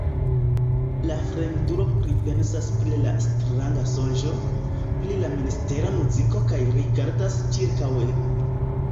La fremdulo pripensas pri la stranga sonĝo, pri la mistera muziko kaj rigardas ĉirkaŭe.